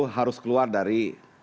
harus keluar dari